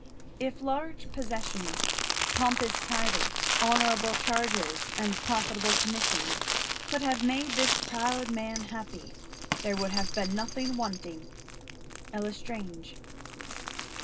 If large possessions, pompous titles, honourable charges, and profitable commissions, could have made this proud man happy, there would have been nothing wanting. L'Estrange.